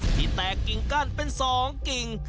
ที่แตกกิ่งกั้นเป็น๒กิ่ง